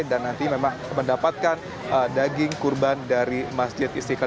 dan nanti memang mendapatkan daging kurban dari masjid istiqlal